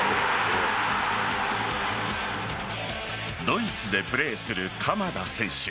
ドイツでプレーする鎌田選手。